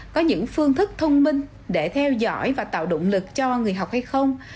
có những phương thức thông minh để theo dõi và tạo động lực cho người học hay không